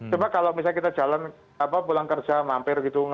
cuma kalau misalnya kita jalan pulang kerja mampir gitu